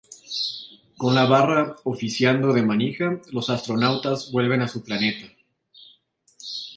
Con la barra oficiando de manija, los astronautas vuelven a su planeta.